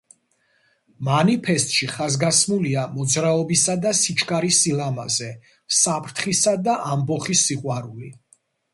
მანიფესტში ხაზგასმულია მოძრაობისა და სიჩქარის სილამაზე, საფრთხისა და ამბოხის სიყვარული.